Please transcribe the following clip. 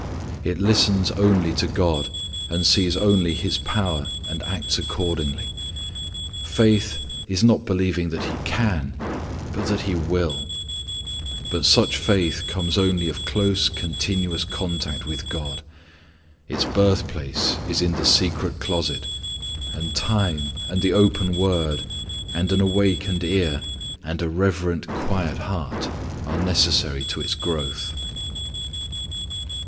It listens only to God and sees only His power and acts accordingly. Faith is not believing that He can but that He will. But such faith comes only of close continuous contact with God. Its birthplace is in the secret closet; and time and the open Word, and an awakened ear and a reverent quiet heart are necessary to its growth.